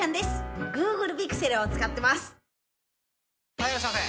・はいいらっしゃいませ！